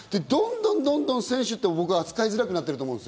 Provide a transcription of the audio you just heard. どんどん選手って扱いづらくなってると思うんです。